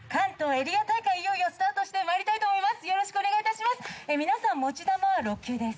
螢膕颪い茲いスタートしてまいりたいと思います。